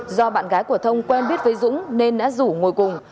do bạn gái của thông quen biết với dũng nên đã rủ ngồi cùng